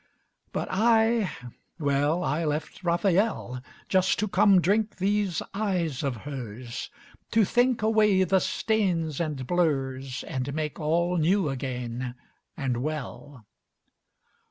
But I, well, I left Raphael Just to come drink these eyes of hers, To think away the stains and blurs And make all new again and well.